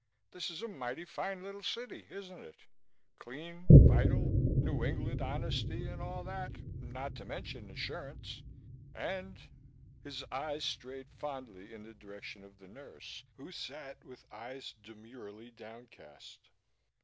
This is a mighty fine little city, isn't it? Clean, vital, New England honesty and all that, not to mention insurance. And " His eyes strayed fondly in the direction of the nurse who sat with eyes demurely downcast.